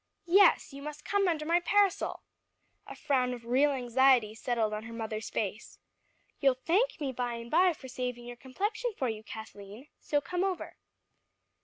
"Yes, you must come under my parasol." A frown of real anxiety settled on her mother's face. "You'll thank me by and by for saving your complexion for you, Kathleen; so come over."